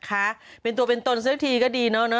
หมาเป็นตัวเป็นตนซัลลี่ปถีก็ดีนะ